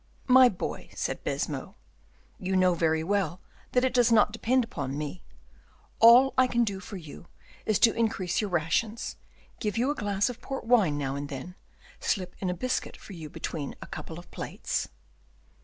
"My boy," said Baisemeaux, "you know very well that it does not depend upon me; all I can do for you is to increase your rations, give you a glass of port wine now and then, slip in a biscuit for you between a couple of plates."